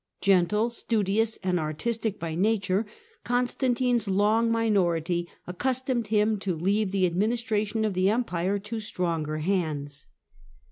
Gentle, studious and artistic by nature, Constantino's long minority accustomed him to leave the administration of the Empire to stronger hands.